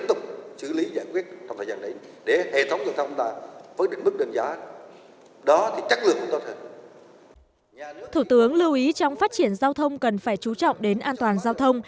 thủ tướng lưu ý trong phát triển giao thông cần phải chú trọng đến an toàn giao thông